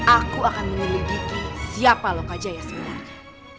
aku akan menyelidiki siapa lokajaya sebenarnya